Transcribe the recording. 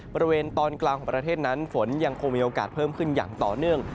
บริเวณตอนกลางของประเทศนั้นฝนยังคงมีโอกาสเพิ่มขึ้นอย่างต่อเนื่อง